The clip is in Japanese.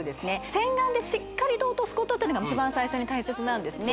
洗顔でしっかりと落とすことというのが一番最初に大切なんですね